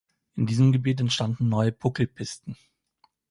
In diesem Gebiet entstanden neue Buckelpisten.